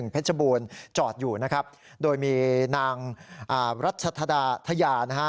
เพชรบูรณ์จอดอยู่นะครับโดยมีนางรัชธดาทยานะฮะ